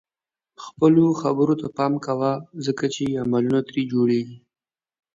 خپلو خبرو ته پام کوه ځکه چې عملونه ترې جوړيږي.